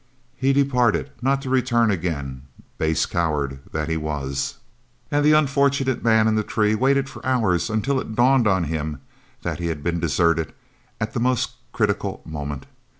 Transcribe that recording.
He departed not to return again, base coward that he was, and the unfortunate man in the tree waited for hours until it dawned on him that he had been deserted at the most critical moment.